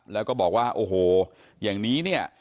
แล้วก็บอกว่าโอ้โหอย่างนี้เนี่ย